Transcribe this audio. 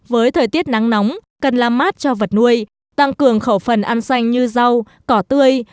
với thời tiết nắng nóng cần làm mát cho vật nuôi tăng cường khẩu phần ăn xanh như rau cỏ tươi